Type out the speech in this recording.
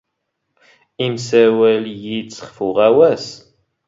ⵉⵎⵙⴰⵡⴰⵍ ⵢⵉⴷⵙ ⵅⴼ ⵓⵖⴰⵡⴰⵙ.